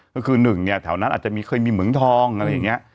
ก็คือหนึ่งเนี่ยแถวนั้นอาจจะเคยมีเหมืองทองอะไรอย่างนี้